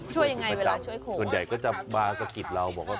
ช่วยยังไงเวลาช่วยคนส่วนใหญ่ก็จะมาสะกิดเราบอกว่า